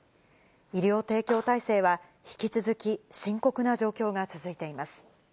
医療提供体制は、引き続き深刻な状況が続いています。